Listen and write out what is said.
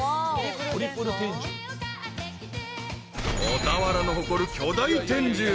［小田原の誇る巨大天重。